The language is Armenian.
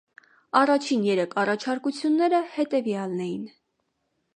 Առաջին երեք առաջարկությունները հետևյալն էին։